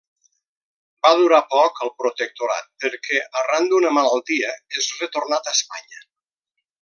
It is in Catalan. Va durar poc al Protectorat, perquè arran d'una malaltia és retornat a Espanya.